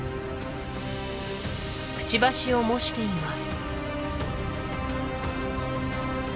くちばしを模しています